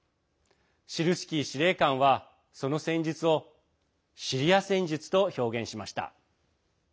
シルスキー司令官は、その戦術をシリア戦術と表現しました。